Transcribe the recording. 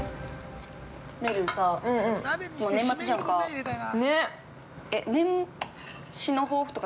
めるるさ、もう年末じゃんか。